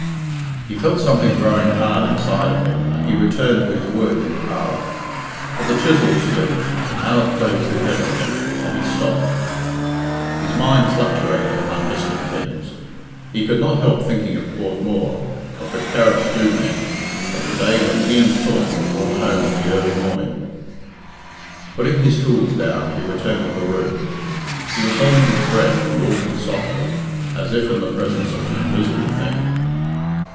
He felt something growing hard inside of him, and he returned to his work in the parlour. But the chisel slipped, the mallet fell too heavily, and he stopped. His mind fluctuated among distant things. He could not help thinking of Port Mooar, of the Carasdhoo men, of the day when he and Philip were brought home in the early, morning. Putting his tools down, he returned to the room. He was holding his breath and walking softly, as if in the presence of an invisible thing.